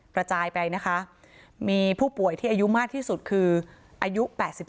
กระจายไปนะคะมีผู้ป่วยที่อายุมากที่สุดคืออายุ๘๓